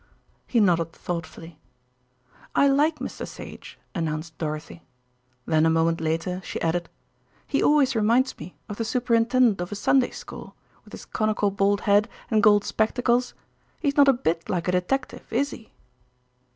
He nodded thoughtfully; "I like Mr. Sage," announced Dorothy. Then a moment later she added, "He always reminds me of the superintendent of a Sunday school, with his conical bald head and gold spectacles. He's not a bit like a detective, is he?"